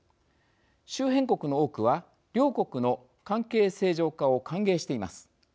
周辺国の多くは両国の関係正常化を歓迎しています。